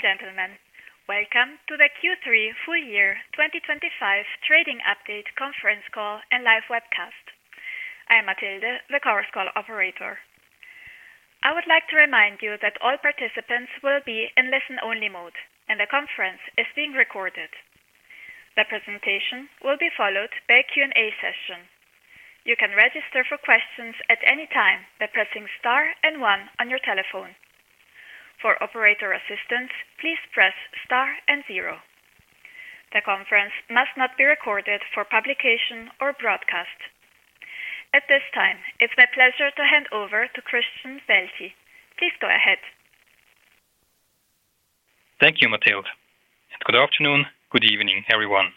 Ladies and gentlemen, welcome to the Q3 Full Year 2025 Trading Update Conference Call and Live Webcast. I'm Matilde, the conference call operator. I would like to remind you that all participants will be in listen-only mode, and the conference is being recorded. The presentation will be followed by a Q&A session. You can register for questions at any time by pressing star and one on your telephone. For operator assistance, please press star and zero. The conference must not be recorded for publication or broadcast. At this time, it's my pleasure to hand over to Christian Waelti. Please go ahead. Thank you, Matilde, and good afternoon, good evening, everyone.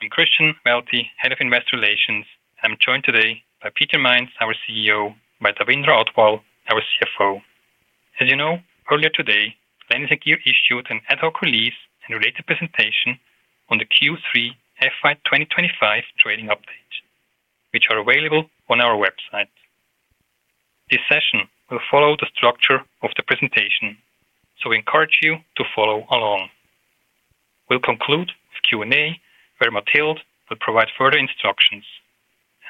I'm Christian Waelti, head of Investor Relations, and I'm joined today by Peter Mainz, our CEO, by Davinder Athwal, our CFO. As you know, earlier today, Landis+Gyr issued an ad hoc release and related presentation on the Q3 FY 2025 trading update, which are available on our website. This session will follow the structure of the presentation, so we encourage you to follow along. We'll conclude with Q&A, where Matilde will provide further instructions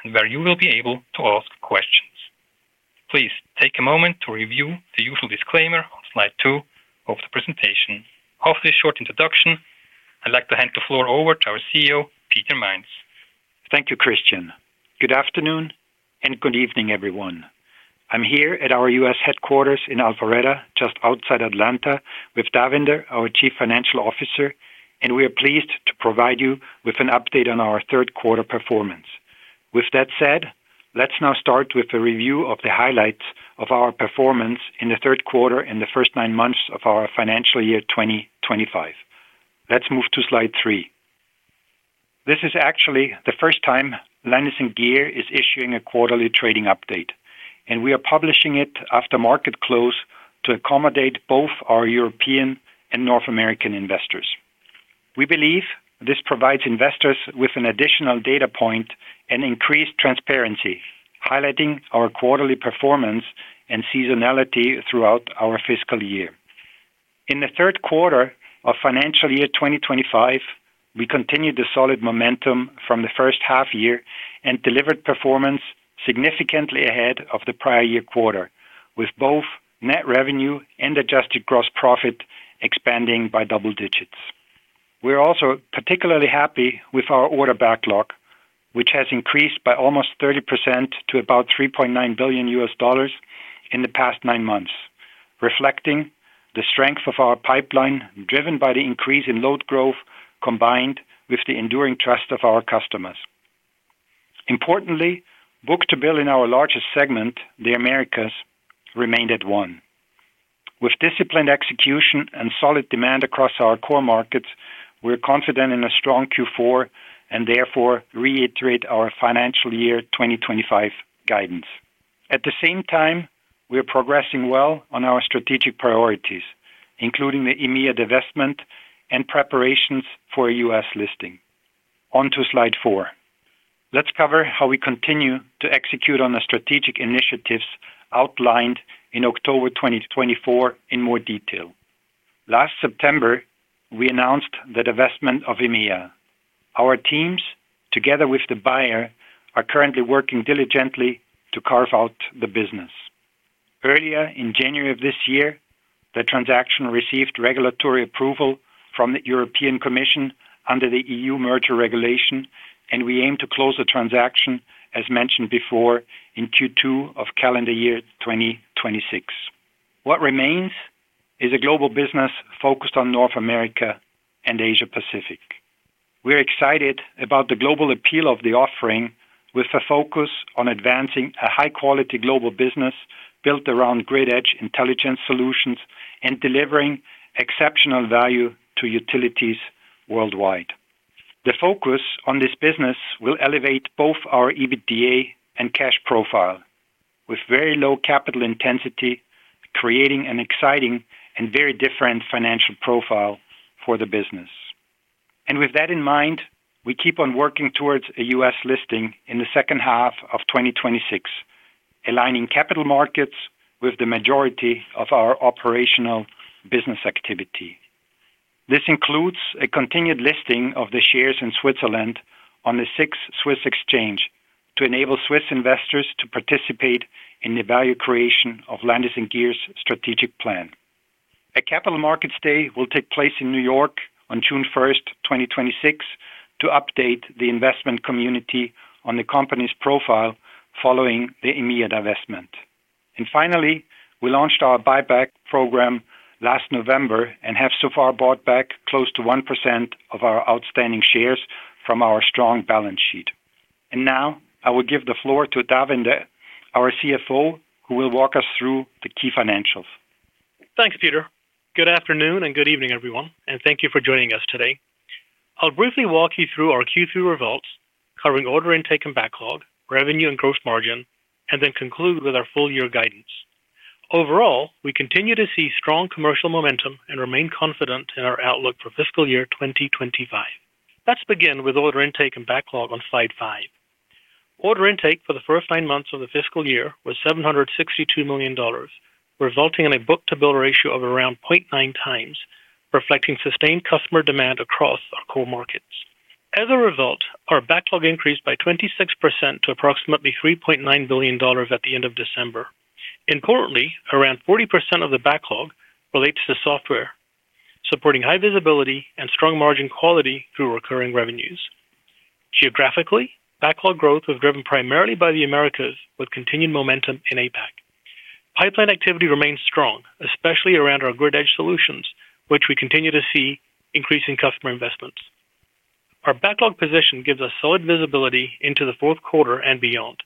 and where you will be able to ask questions. Please take a moment to review the usual disclaimer on Slide 2 of the presentation. After this short introduction, I'd like to hand the floor over to our CEO, Peter Mainz. Thank you, Christian. Good afternoon and good evening, everyone. I'm here at our U.S. headquarters in Alpharetta, just outside Atlanta, with Davinder, our Chief Financial Officer, and we are pleased to provide you with an update on our third quarter performance. With that said, let's now start with a review of the highlights of our performance in the third quarter and the first nine months of our financial year, 2025. Let's move to Slide 3. This is actually the first time Landis+Gyr is issuing a quarterly trading update, and we are publishing it after market close to accommodate both our European and North American investors. We believe this provides investors with an additional data point and increased transparency, highlighting our quarterly performance and seasonality throughout our fiscal year. In the third quarter of financial year 2025, we continued the solid momentum from the first half year and delivered performance significantly ahead of the prior year quarter, with both net revenue and adjusted gross profit expanding by double digits. We're also particularly happy with our order backlog, which has increased by almost 30% to about $3.9 billion in the past 9 months, reflecting the strength of our pipeline, driven by the increase in load growth, combined with the enduring trust of our customers. Importantly, book-to-bill in our largest segment, the Americas, remained at 1. With disciplined execution and solid demand across our core markets, we're confident in a strong Q4 and therefore reiterate our financial year 2025 guidance. At the same time, we are progressing well on our strategic priorities, including the EMEA divestment and preparations for a US listing. On to Slide 4. Let's cover how we continue to execute on the strategic initiatives outlined in October 2024 in more detail. Last September, we announced the divestment of EMEA. Our teams, together with the buyer, are currently working diligently to carve out the business. Earlier in January of this year, the transaction received regulatory approval from the European Commission under the EU Merger Regulation, and we aim to close the transaction, as mentioned before, in Q2 of calendar year 2026. What remains is a global business focused on North America and Asia Pacific. We're excited about the global appeal of the offering, with a focus on advancing a high-quality global business built around Grid Edge Intelligence solutions and delivering exceptional value to utilities worldwide. The focus on this business will elevate both our EBITDA and cash profile, with very low capital intensity, creating an exciting and very different financial profile for the business. With that in mind, we keep on working towards a U.S. listing in the second half of 2026, aligning capital markets with the majority of our operational business activity. This includes a continued listing of the shares in Switzerland on the SIX Swiss Exchange, to enable Swiss investors to participate in the value creation of Landis+Gyr's strategic plan. A Capital Markets Day will take place in New York on June 1, 2026, to update the investment community on the company's profile following the EMEA divestment. Finally, we launched our buyback program last November and have so far bought back close to 1% of our outstanding shares from our strong balance sheet. Now I will give the floor to Davinder, our CFO, who will walk us through the key financials. Thanks, Peter. Good afternoon and good evening, everyone, and thank you for joining us today. I'll briefly walk you through our Q3 results, covering order intake and backlog, revenue and gross margin, and then conclude with our full year guidance. Overall, we continue to see strong commercial momentum and remain confident in our outlook for fiscal year 2025. Let's begin with order intake and backlog on Slide 5. Order intake for the first nine months of the fiscal year was $762 million, resulting in a book-to-bill ratio of around 0.9 times, reflecting sustained customer demand across our core markets. As a result, our backlog increased by 26% to approximately $3.9 billion at the end of December. Importantly, around 40% of the backlog relates to software, supporting high visibility and strong margin quality through recurring revenues. Geographically, backlog growth was driven primarily by the Americas, with continued momentum in APAC. Pipeline activity remains strong, especially around our grid edge solutions, which we continue to see increasing customer investments. Our backlog position gives us solid visibility into the fourth quarter and beyond.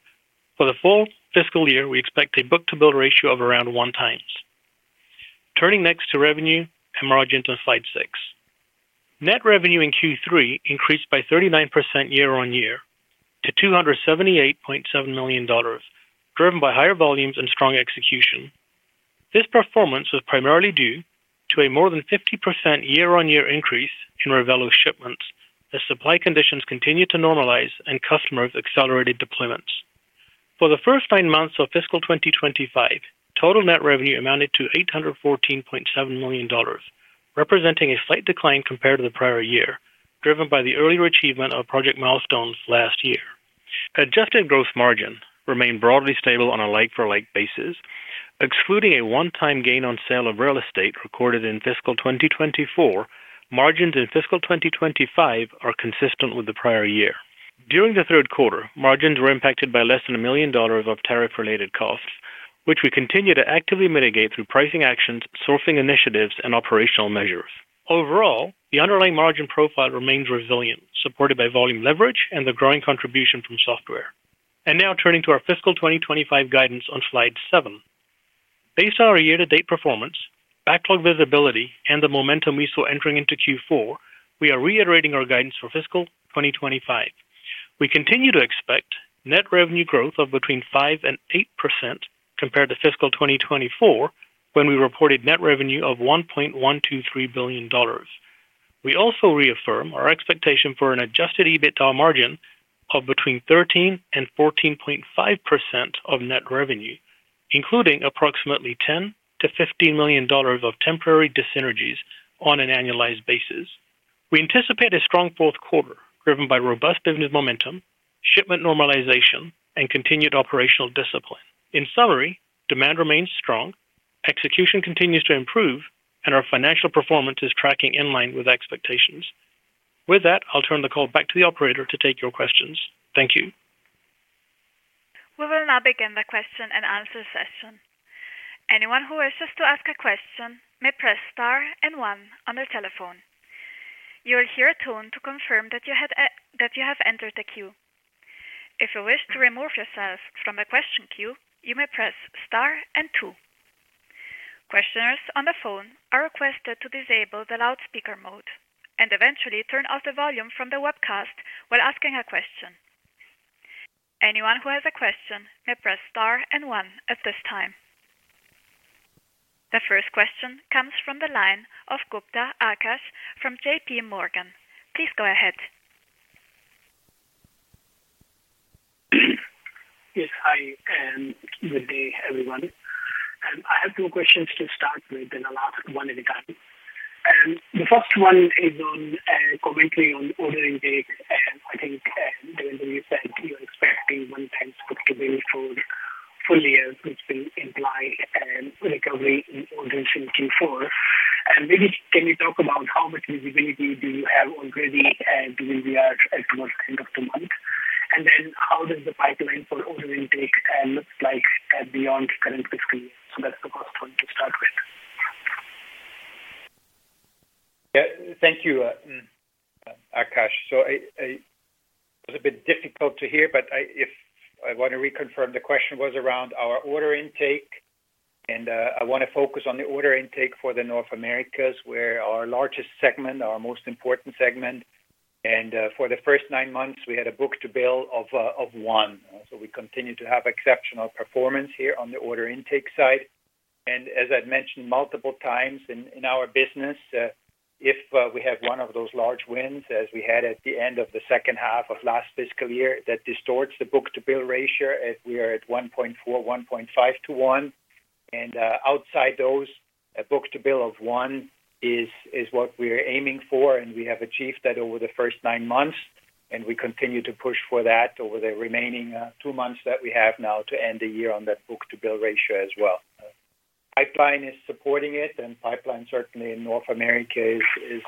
For the full fiscal year, we expect a book-to-bill ratio of around 1x. Turning next to revenue and margin on Slide 6. Net revenue in Q3 increased by 39% year-on-year to $278.7 million, driven by higher volumes and strong execution. This performance was primarily due to a more than 50% year-on-year increase in Revelo shipments, as supply conditions continued to normalize and customers accelerated deployments. For the first nine months of fiscal 2025, total net revenue amounted to $814.7 million, representing a slight decline compared to the prior year, driven by the earlier achievement of project milestones last year. Adjusted growth margin remained broadly stable on a like-for-like basis, excluding a one-time gain on sale of real estate recorded in fiscal 2024. Margins in fiscal 2025 are consistent with the prior year. During the third quarter, margins were impacted by less than $1 million of tariff-related costs, which we continue to actively mitigate through pricing actions, sourcing initiatives, and operational measures. Overall, the underlying margin profile remains resilient, supported by volume leverage and the growing contribution from software. And now turning to our fiscal 2025 guidance on Slide 7. Based on our year-to-date performance, backlog visibility, and the momentum we saw entering into Q4, we are reiterating our guidance for fiscal 2025. We continue to expect net revenue growth of between 5% and 8% compared to fiscal 2024, when we reported net revenue of $1.123 billion. We also reaffirm our expectation for an adjusted EBITDA margin of between 13% and 14.5% of net revenue, including approximately $10 million-$15 million of temporary dyssynergies on an annualized basis. We anticipate a strong fourth quarter, driven by robust business momentum, shipment normalization, and continued operational discipline. In summary, demand remains strong, execution continues to improve, and our financial performance is tracking in line with expectations. With that, I'll turn the call back to the operator to take your questions. Thank you. We will now begin the question and answer session. Anyone who wishes to ask a question may press star and one on their telephone. You will hear a tone to confirm that you have entered the queue. If you wish to remove yourself from the question queue, you may press star and two. Questioners on the phone are requested to disable the loudspeaker mode and eventually turn off the volume from the webcast while asking a question. Anyone who has a question may press star and one at this time. The first question comes from the line of Akash Gupta from J.P. Morgan. Please go ahead. Yes, hi, and good day, everyone. I have two questions to start with, and I'll ask one at a time. The first one is on, commentary on order intake, and I think, during the you said you're expecting one time book-to-bill for full year, which will imply, recovery in orders in Q4. And maybe can you talk about how much visibility do you have already, and where we are towards the end of the month? And then how does the pipeline for order intake, look like beyond current fiscal year? So that's the first one to start with. Yeah. Thank you, Akash. So I... It was a bit difficult to hear, but I, if I want to reconfirm, the question was around our order intake, and I want to focus on the order intake for North America, where our largest segment, our most important segment, and for the first nine months, we had a book-to-bill of 1. So we continue to have exceptional performance here on the order intake side. And as I've mentioned multiple times in our business, if we have one of those large wins, as we had at the end of the second half of last fiscal year, that distorts the book-to-bill ratio, as we are at 1.4, 1.5 to 1. Outside those, a book-to-bill of 1 is what we are aiming for, and we have achieved that over the first 9 months, and we continue to push for that over the remaining 2 months that we have now to end the year on that book-to-bill ratio as well. Pipeline is supporting it, and pipeline, certainly in North America, is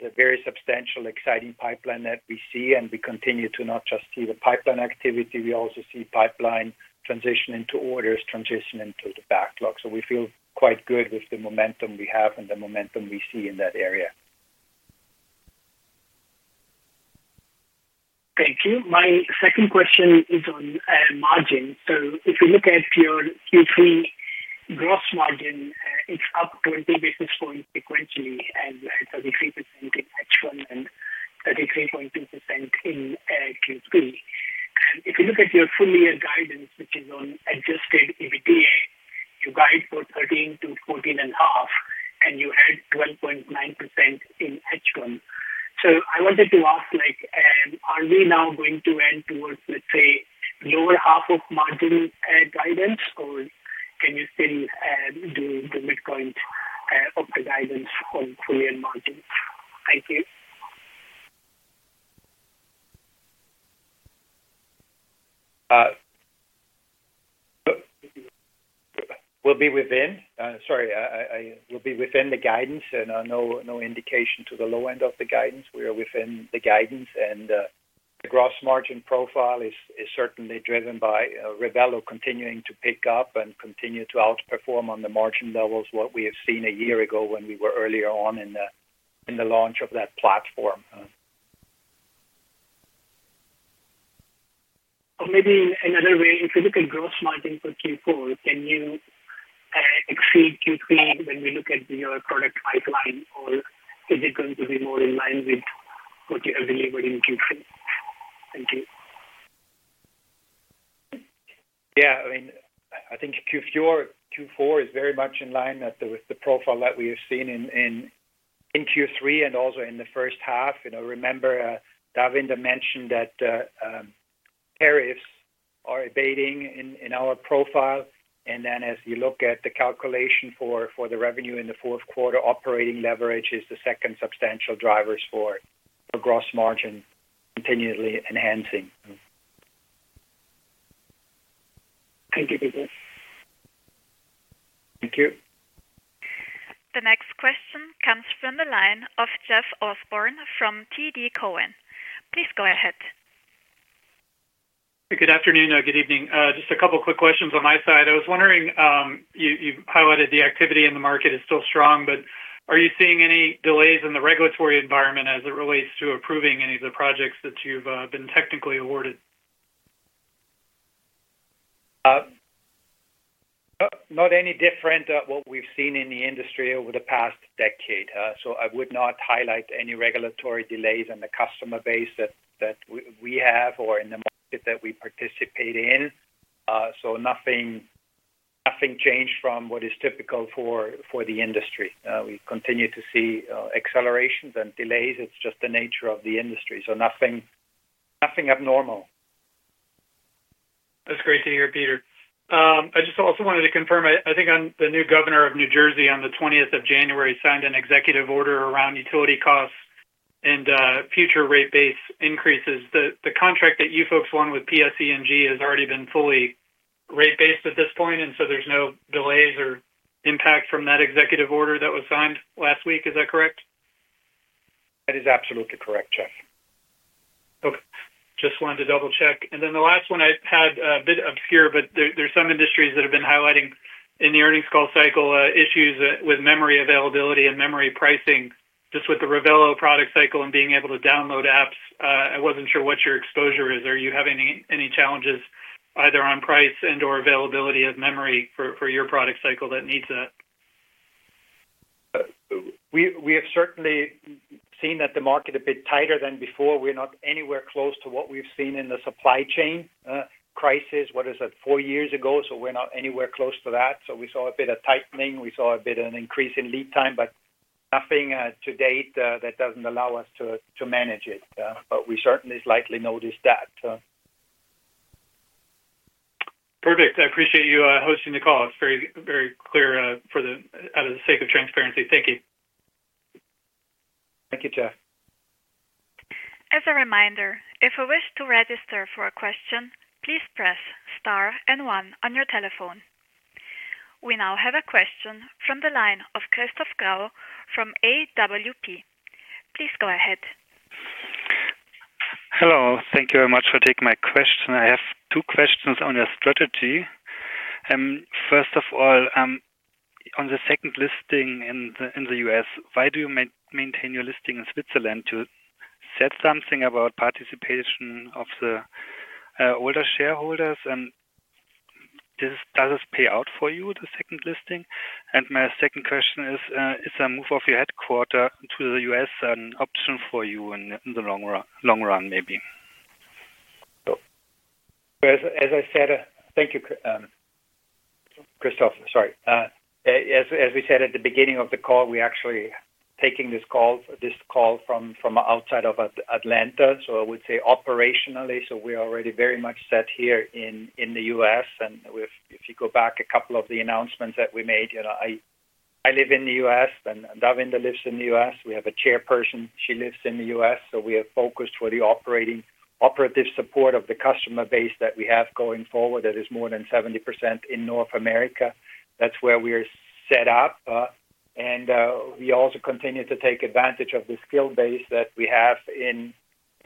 a very substantial, exciting pipeline that we see, and we continue to not just see the pipeline activity, we also see pipeline transition into orders, transition into the backlog. So we feel quite good with the momentum we have and the momentum we see in that area. Thank you. My second question is on margin. So if you look at your Q3 gross margin, it's up 20 basis points sequentially, and 33% in H1 and 33.2% in Q3. And if you look at your full year guidance, which is on Adjusted EBITDA, you guys for 13%-14.5%, and you had 12.9% in H1. So I wanted to ask, like, are we now going to end towards, let's say, lower half of margin guidance, or can you still do the midpoint of the guidance on full year margin? Thank you. We'll be within the guidance, and no indication to the low end of the guidance. We are within the guidance, and the gross margin profile is certainly driven by Revelo continuing to pick up and continue to outperform on the margin levels what we have seen a year ago when we were earlier on in the launch of that platform. Or maybe in another way, if you look at gross margin for Q4, can you exceed Q3 when we look at your product pipeline, or is it going to be more in line with what you have delivered in Q3? Thank you. Yeah, I mean, I think Q4, Q4 is very much in line with the profile that we have seen in Q3 and also in the first half. You know, remember, Davinder mentioned that tariffs are abating in our profile, and then as you look at the calculation for the revenue in the fourth quarter, operating leverage is the second substantial drivers for the gross margin continually enhancing. Thank you, Peter. Thank you. The next question comes from the line of Jeff Osborne from TD Cowen. Please go ahead. Good afternoon, or good evening. Just a couple quick questions on my side. I was wondering, you, you've highlighted the activity in the market is still strong, but are you seeing any delays in the regulatory environment as it relates to approving any of the projects that you've been technically awarded? Not any different, what we've seen in the industry over the past decade. So I would not highlight any regulatory delays in the customer base that we have or in the market that we participate in. So nothing, nothing changed from what is typical for the industry. We continue to see accelerations and delays. It's just the nature of the industry, so nothing, nothing abnormal. That's great to hear, Peter. I just also wanted to confirm. I think the new governor of New Jersey, on the January 20th, signed an executive order around utility costs and future rate base increases. The contract that you folks won with PSE&G has already been fully rate-based at this point, and so there's no delays or impact from that executive order that was signed last week. Is that correct? That is absolutely correct, Jeff. Okay, just wanted to double-check. Then the last one I had a bit obscure, but there are some industries that have been highlighting in the earnings call cycle issues with memory availability and memory pricing. Just with the Revelo product cycle and being able to download apps, I wasn't sure what your exposure is. Are you having any challenges either on price and/or availability of memory for your product cycle that needs it? We have certainly seen that the market a bit tighter than before. We're not anywhere close to what we've seen in the supply chain crisis. What is it? Four years ago, so we're not anywhere close to that. So we saw a bit of tightening. We saw a bit of an increase in lead time, but nothing to date that doesn't allow us to manage it. But we certainly slightly noticed that. Perfect. I appreciate you hosting the call. It's very, very clear for the sake of transparency. Thank you. Thank you, Jeff. As a reminder, if you wish to register for a question, please press Star and One on your telephone. We now have a question from the line of Christoph Grau from AWP. Please go ahead. Hello. Thank you very much for taking my question. I have two questions on your strategy. First of all, on the second listing in the, in the U.S., why do you maintain your listing in Switzerland? To set something about participation of the older shareholders, and does this pay out for you, the second listing? And my second question is, is a move of your headquarters to the US an option for you in the long run, long run, maybe? So, as I said... Thank you, Christoph. Sorry. As we said at the beginning of the call, we're actually taking this call from outside of Atlanta, so I would say operationally, we are already very much set here in the U.S. And if you go back, a couple of the announcements that we made, you know, I live in the U.S., and Davinder lives in the U.S. We have a chairperson, she lives in the U.S., so we are focused for the operative support of the customer base that we have going forward. That is more than 70% in North America. That's where we are set up, and we also continue to take advantage of the skill base that we have in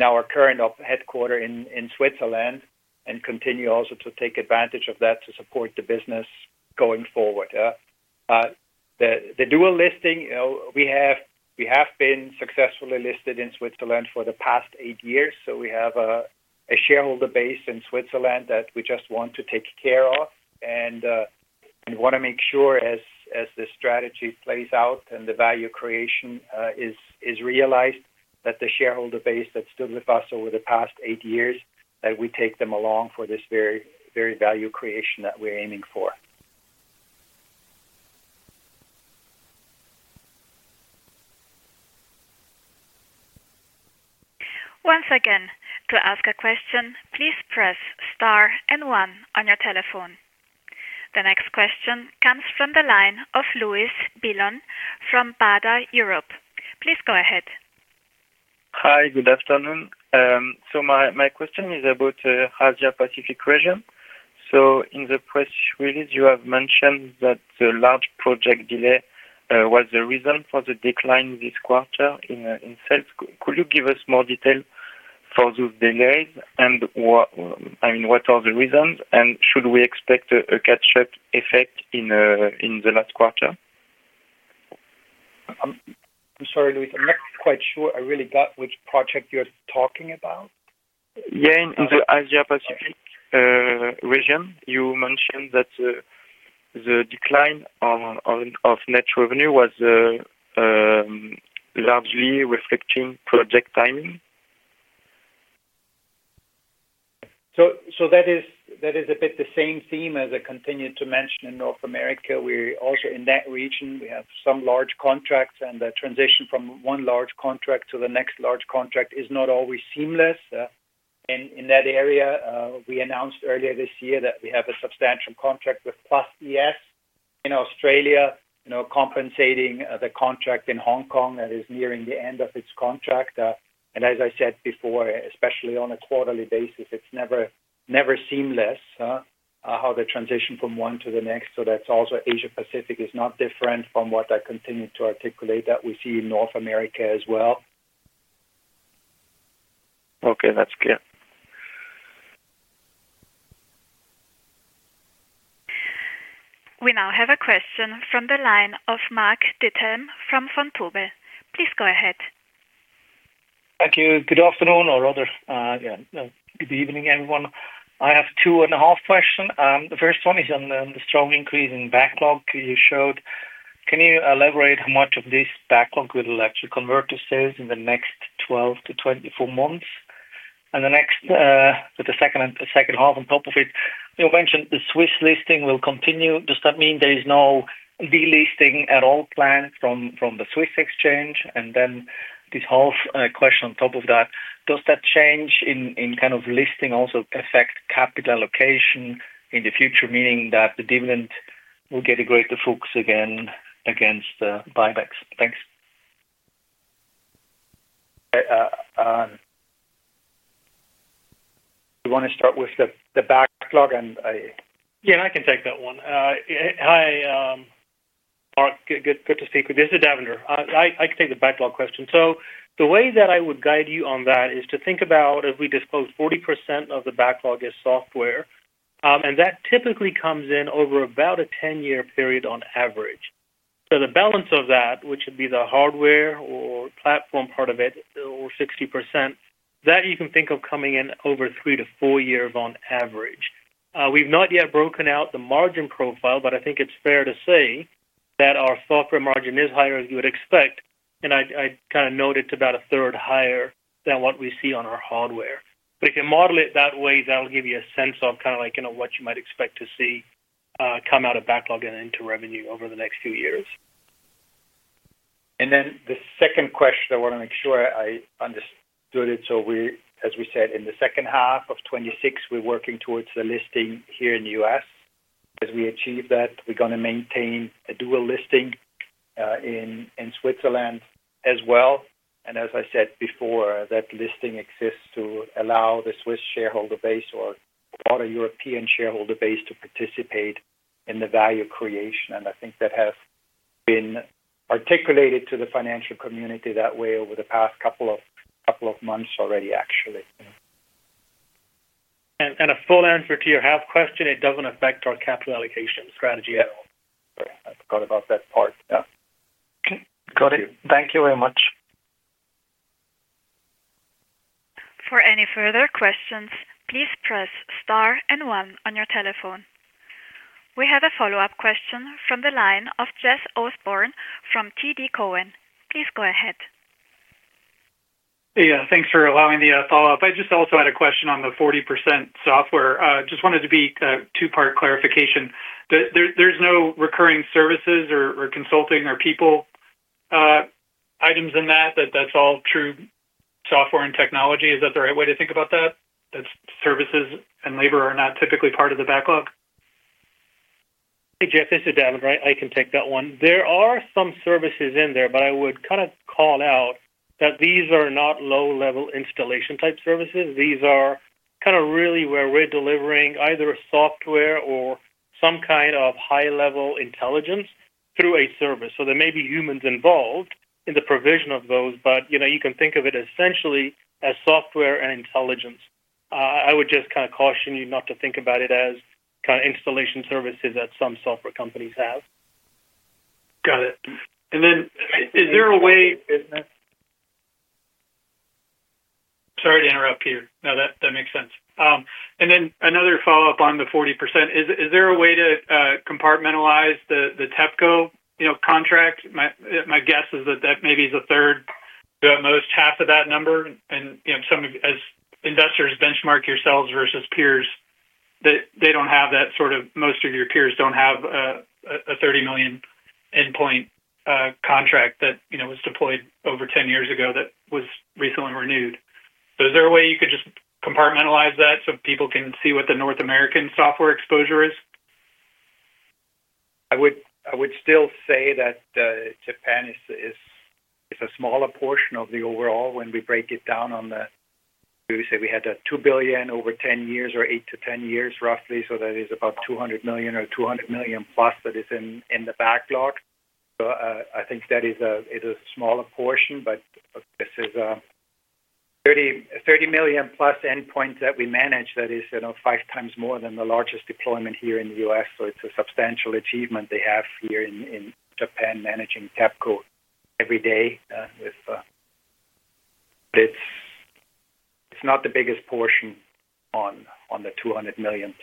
our current headquarters in Switzerland and continue also to take advantage of that to support the business going forward. The dual listing, you know, we have been successfully listed in Switzerland for the past eight years, so we have a shareholder base in Switzerland that we just want to take care of. And we want to make sure as the strategy plays out and the value creation is realized that the shareholder base that stood with us over the past eight years, that we take them along for this very, very value creation that we're aiming for. Once again, to ask a question, please press star and one on your telephone. The next question comes from the line of Louis Billon from Baader Europe. Please go ahead. Hi, good afternoon. So my question is about the Asia Pacific region. So in the press release, you have mentioned that the large project delay was the reason for the decline this quarter in sales. Could you give us more detail for those delays and what—I mean, what are the reasons, and should we expect a catch-up effect in the last quarter? I'm sorry, Louis, I'm not quite sure I really got which project you're talking about. Yeah, in the Asia Pacific region, you mentioned that the decline of net revenue was largely reflecting project timing. So that is a bit the same theme as I continued to mention in North America. We also in that region, we have some large contracts, and the transition from one large contract to the next large contract is not always seamless in that area. We announced earlier this year that we have a substantial contract with PlusES in Australia, you know, compensating the contract in Hong Kong that is nearing the end of its contract. And as I said before, especially on a quarterly basis, it's never seamless how they transition from one to the next. So that's also Asia Pacific is not different from what I continue to articulate that we see in North America as well. Okay, that's clear. We now have a question from the line of Mark Diethelm from Vontobel. Please go ahead. Thank you. Good afternoon, or rather, good evening, everyone. I have 2.5 questions. The first one is on the strong increase in backlog you showed. Can you elaborate how much of this backlog will electric converter sales in the next 12-24 months? And the next, with the second and the second half on top of it, you mentioned the Swiss listing will continue. Does that mean there is no delisting at all planned from the Swiss exchange? And then this half question on top of that, does that change in kind of listing also affect capital allocation in the future, meaning that the dividend will get a greater focus again against buybacks? Thanks. You want to start with the backlog, and I- Yeah, I can take that one. Hi, Mark. Good, good, good to speak with you. This is Davinder. I can take the backlog question. So the way that I would guide you on that is to think about as we disclose 40% of the backlog is software, and that typically comes in over about a 10-year period on average. So the balance of that, which would be the hardware or platform part of it, or 60%, that you can think of coming in over three to four years on average. We've not yet broken out the margin profile, but I think it's fair to say that our software margin is higher, as you would expect, and I kind of note it's about a third higher than what we see on our hardware. But if you model it that way, that'll give you a sense of kind of like, you know, what you might expect to see come out of backlog and into revenue over the next few years. And then the second question, I wanna make sure I understood it. So, as we said, in the second half of 2026, we're working towards the listing here in the U.S. As we achieve that, we're gonna maintain a dual listing in Switzerland as well. And as I said before, that listing exists to allow the Swiss shareholder base or other European shareholder base to participate in the value creation. And I think that has been articulated to the financial community that way over the past couple of months already, actually. And a full answer to your half question, it doesn't affect our capital allocation strategy at all. Yeah. Sorry, I forgot about that part. Yeah. Okay. Got it. Thank you very much. For any further questions, please press star and one on your telephone. We have a follow-up question from the line of Jeff Osborne from TD Cowen. Please go ahead. Yeah, thanks for allowing the follow-up. I just also had a question on the 40% software. Just wanted to be a two-part clarification. There's no recurring services or consulting or people items in that. That's all true software and technology. Is that the right way to think about that? That services and labor are not typically part of the backlog? Hey, Jeff, this is Davinder. I can take that one. There are some services in there, but I would kind of call out that these are not low-level installation-type services. These are kind of really where we're delivering either software or some kind of high-level intelligence through a service. So there may be humans involved in the provision of those, but you know, you can think of it essentially as software and intelligence. I would just kind of caution you not to think about it as kind of installation services that some software companies have. Got it. And then is there a way? No, that makes sense. And then another follow-up on the 40%. Is there a way to compartmentalize the TEPCO, you know, contract? My guess is that that maybe is a third, at most half of that number. And, you know, some of—as investors benchmark yourselves versus peers, they don't have that sort of... Most of your peers don't have a $30 million endpoint contract that, you know, was deployed over 10 years ago, that was recently renewed. So is there a way you could just compartmentalize that so people can see what the North American software exposure is? I would still say that Japan is a smaller portion of the overall when we break it down on the—did we say we had a $2 billion over 10 years or 8-10 years, roughly? So that is about $200 million or $200 million+ that is in the backlog. So I think that is a, it's a smaller portion, but this is a 30 million+ endpoint that we manage. That is, you know, five times more than the largest deployment here in the U.S.. So it's a substantial achievement they have here in Japan, managing TEPCO every day with... But it's not the biggest portion on the $200 million+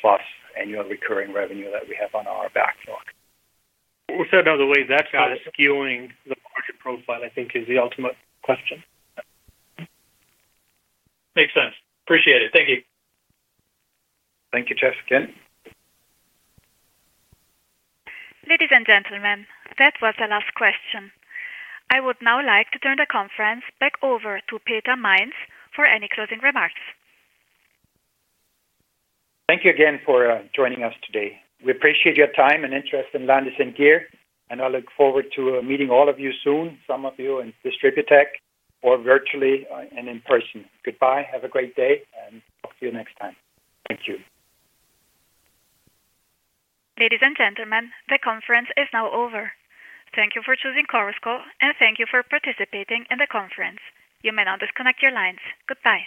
annual recurring revenue that we have on our backlog. Well, so in other ways, that's kind of skewing the market profile, I think is the ultimate question. Makes sense. Appreciate it. Thank you. Thank you, Jeff, again. Ladies and gentlemen, that was the last question. I would now like to turn the conference back over to Peter Mainz for any closing remarks. Thank you again for joining us today. We appreciate your time and interest in Landis+Gyr, and I look forward to meeting all of you soon, some of you in DistribuTECH or virtually, and in person. Goodbye. Have a great day, and talk to you next time. Thank you. Ladies and gentlemen, the conference is now over. Thank you for choosing Chorus Call, and thank you for participating in the conference. You may now disconnect your lines. Goodbye.